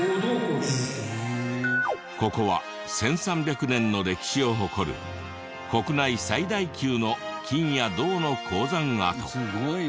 ここは１３００年の歴史を誇る国内最大級の金や銅の鉱山跡。